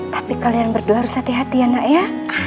tapi kalian berdua harus hati hati ya nak ya